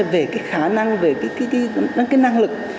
về cái khả năng về cái năng lực